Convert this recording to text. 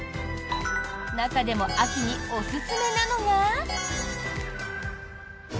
中でも秋におすすめなのが。